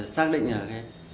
xác định là